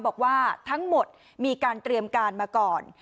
บอกว่าทั้งหมดมีการเตรียมการมาก่อน